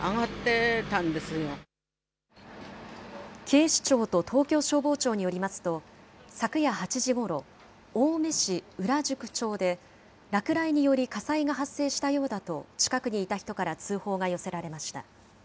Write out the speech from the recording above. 警視庁と東京消防庁によりますと、昨夜８時ごろ、青梅市裏宿町で、落雷により火災が発生したようだと、近くにいた人から通報が寄せられました。